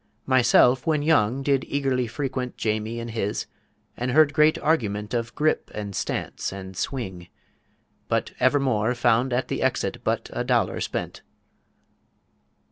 Myself when young did eagerly frequent Jamie and His, and heard great argument Of Grip and Stance and Swing; but evermore Found at the Exit but a Dollar spent.